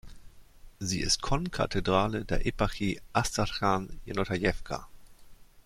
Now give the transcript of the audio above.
Sie ist Konkathedrale der Eparchie Astrachan-Jenotajewka.